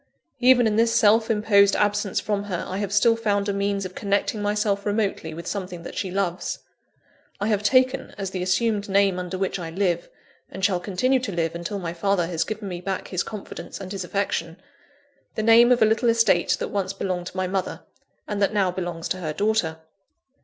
Even in this self imposed absence from her, I have still found a means of connecting myself remotely with something that she loves. I have taken, as the assumed name under which I live, and shall continue to live until my father has given me back his confidence and his affection, the name of a little estate that once belonged to my mother, and that now belongs to her daughter.